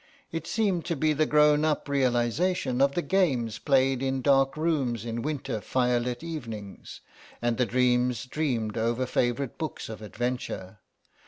It seemed to be the grown up realisation of the games played in dark rooms in winter fire lit evenings, and the dreams dreamed over favourite books of adventure.